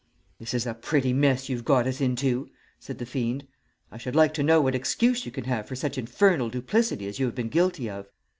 "'This is a pretty mess you've got us into,' said the fiend. 'I should like to know what excuse you can have for such infernal duplicity as you have been guilty of?'